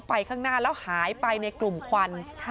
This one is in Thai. ข้างหน้าแล้วหายไปในกลุ่มควัน